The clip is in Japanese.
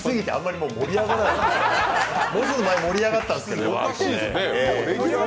もうちょっと前は盛り上がったんですけどね。